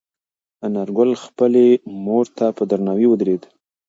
انارګل خپلې مور ته په درناوي ودرېد.